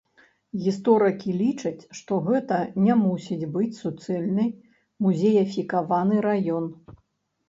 Гісторыкі лічаць, што гэта не мусіць быць суцэльны музеяфікаваны раён.